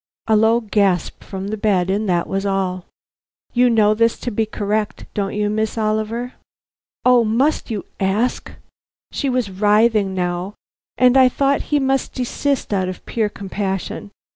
A low gasp from the bed, and that was all. "You know this to be correct, don't you, Miss Oliver?" "O must you ask?" She was writhing now, and I thought he must desist out of pure compassion.